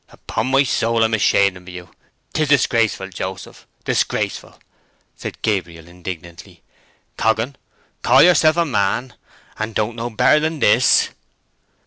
"Upon my soul, I'm ashamed of you; 'tis disgraceful, Joseph, disgraceful!" said Gabriel, indignantly. "Coggan, you call yourself a man, and don't know better than this."